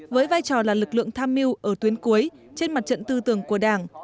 với vai trò là lực lượng tham mưu ở tuyến cuối trên mặt trận tư tưởng của đảng